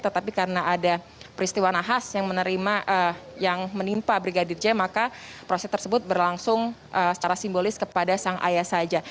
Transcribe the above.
tetapi karena ada peristiwa nahas yang menerima yang menimpa brigadir j maka proses tersebut berlangsung secara simbolis kepada sang ayah saja